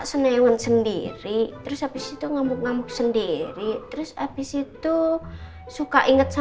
semoga randy masih di belakangnya